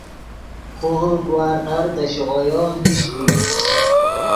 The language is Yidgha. خوغے گورنر دے شیغویو نیش ڤی